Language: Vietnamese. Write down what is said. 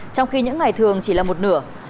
trong khi những ngày thường chỉ là một nửa